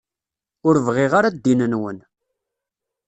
Ur bɣiɣ ara ddin-nwen.